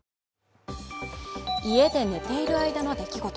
家で寝ている間の出来事。